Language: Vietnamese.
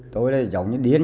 tôi là giống như điên